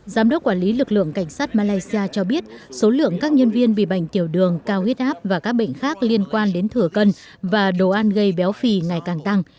giám đốc quản lý lực lượng cảnh sát malaysia cho biết số lượng các nhân viên bị bệnh tiểu đường cao huyết áp và các bệnh khác liên quan đến thửa cân và đồ ăn gây béo phì ngày càng tăng